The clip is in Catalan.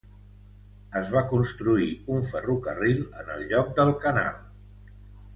Es va construir un ferrocarril en el lloc del canal.